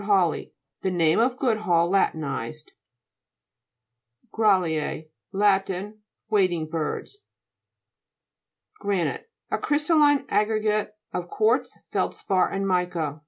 GOODHALLII The name Goodhall latinized. GRA'LLEJE Lat. Wading birds. GRA'NITE A crystalline aggregate of quartz, feldspar, and mica.